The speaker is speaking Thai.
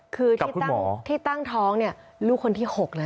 คือที่ตั้งท้องลูกคนที่๖เลยนะฮะ